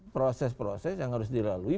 proses proses yang harus dilalui